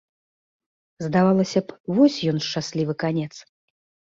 Здавалася б, вось ён шчаслівы канец.